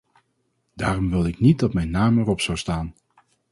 Daarom wilde ik niet dat mijn naam erop zou staan.